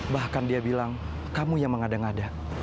bahkan dia bilang kamu yang mengada ngada